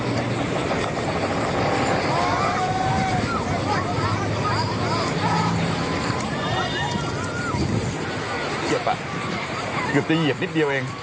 เหยียบอ่ะเกือบจะเหยียบนิดเดียวเอง